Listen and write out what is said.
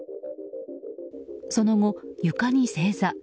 その後、床に正座。